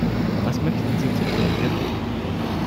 Was möchten Sie zu trinken?